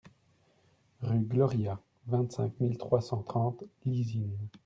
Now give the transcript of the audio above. Rue Gloria, vingt-cinq mille trois cent trente Lizine